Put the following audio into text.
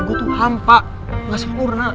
gue tuh hampa gak sempurna